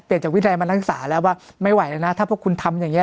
เปลี่ยนจากวิทยาลัยมานักศึกษาแล้วว่าไม่ไหวนะถ้าพวกคุณทำอย่างนี้